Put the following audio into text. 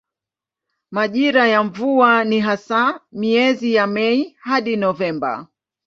Majira ya mvua ni hasa miezi ya Mei hadi Novemba.